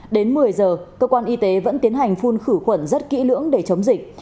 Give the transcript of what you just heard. đến một mươi giờ cơ quan y tế vẫn tiến hành phun khử khuẩn rất kỹ lưỡng để chống dịch